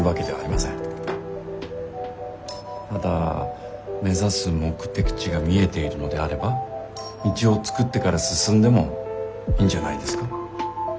ただ目指す目的地が見えているのであれば道を作ってから進んでもいいんじゃないですか？